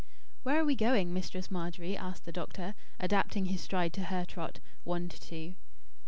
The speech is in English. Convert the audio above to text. "Where are we going, Mistress Margery?" asked the doctor, adapting his stride to her trot one to two.